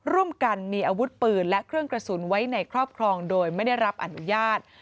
ร่วมกันมีอาวุธปืนและเครื่องกระสุนไว้ในครอบครองโดยไม่ได้รับอนุญาต